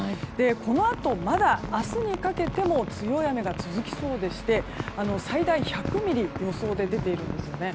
このあと、まだ明日にかけても強い雨が続きそうでして最大１００ミリ、予想で出ているんですよね。